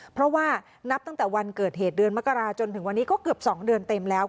เพราะว่านับตั้งแต่วันเกิดเหตุเดือนมกราจนถึงวันนี้ก็เกือบ๒เดือนเต็มแล้ว